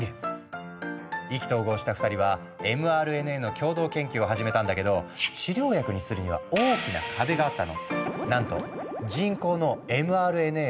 意気投合した２人はｍＲＮＡの共同研究を始めたんだけど治療薬にするには大きな壁があったの。